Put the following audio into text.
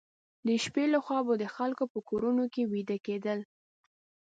د شپې لخوا به د خلکو په کورونو کې ویده کېدل.